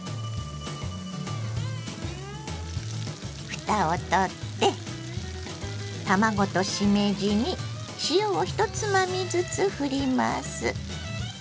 ふたをとって卵としめじに塩を１つまみずつふります。